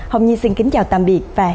hồng xin kính chào tạm biệt và hẹn gặp lại